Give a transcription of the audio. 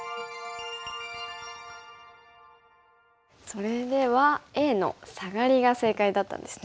それではＡのサガリが正解だったんですね。